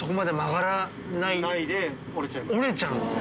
淵▲蕁折れちゃう。